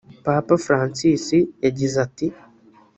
Papa Francis yagize ati